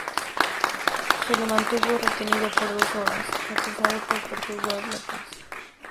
Se lo mantuvo retenido por dos horas acusado de perturbar la paz.